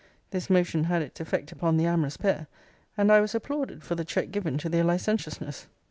This motion had its effect upon the amorous pair; and I was applauded for the check given to their licentiousness.